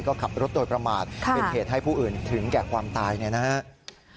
ก็ขับรถโดยประมาทเป็นเหตุให้ผู้อื่นถึงแก่ความตายเนี่ยนะครับ